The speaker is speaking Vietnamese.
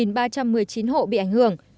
năm hai nghìn một mươi chín hộ bị ảnh hưởng